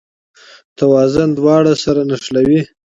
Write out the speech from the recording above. توازن دواړه سره نښلوي.